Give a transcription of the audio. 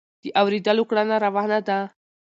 د اورېدلو کړنه روانه ده.